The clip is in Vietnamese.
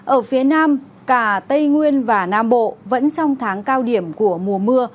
ở phía nam cả tây nguyên và nam bộ vẫn trong tháng cao điểm của mùa mưa